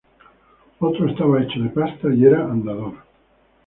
Otro estaba hecho de pasta y era andador.